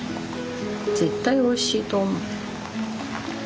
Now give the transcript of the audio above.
絶対おいしいと思う。